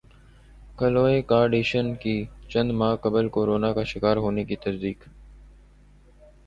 کلوئے Kardashian کی چند ماہ قبل کورونا کا شکار ہونے کی تصدیق